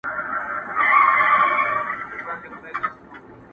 اوس به مي غوږونه تر لحده وي کاڼه ورته،